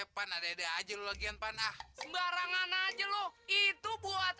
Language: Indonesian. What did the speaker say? panah aja lu lagi panah barangan aja loh itu buat